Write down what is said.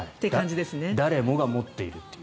誰もが持っているという。